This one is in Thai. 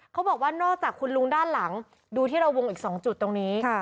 เขาบอกว่านอกจากคุณลุงด้านหลังดูที่เราวงอีก๒จุดตรงนี้